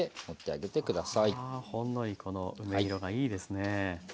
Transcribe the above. あほんのりこの梅色がいいですね。